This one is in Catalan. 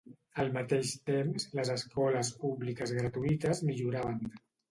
Al mateix temps, les escoles públiques gratuïtes milloraven.